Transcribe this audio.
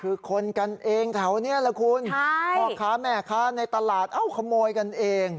คือคนกันเองแถวนี้แหละคุณพ่อค้าแม่ค้าในตลาดเอ้าขโมยกันเอง